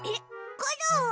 コロンは？